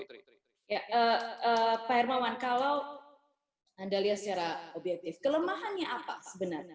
pak hermawan kalau andalia secara objektif kelemahannya apa sebenarnya